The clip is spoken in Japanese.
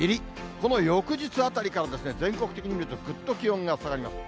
この翌日あたりから全国的に見るとぐっと気温が下がります。